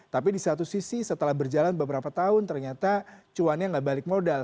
tapi di satu sisi setelah berjalan beberapa tahun ternyata cuannya nggak balik modal